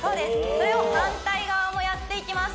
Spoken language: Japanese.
それを反対側もやっていきます